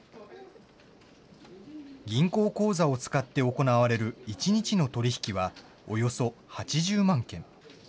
銀行口座を使って行われる１日の取り引きは、およそ８０万件。